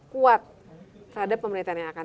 kuat terhadap pemerintahan yang akan